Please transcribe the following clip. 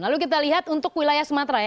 lalu kita lihat untuk wilayah sumatera ya